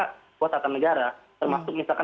kuatatan negara termasuk misalkan